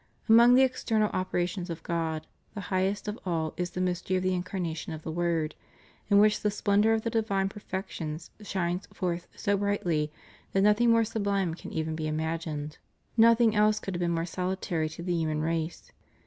Among the ex ternal operations of God, the highest of all is the mystery of the Incarnation of the Word, in which the splendor of the divine perfections shines forth so brightly that nothing more sublime can even be imagined, nothing else could have been more salutary to the human race.